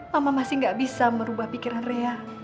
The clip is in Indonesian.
mama masih gak bisa merubah pikiran rea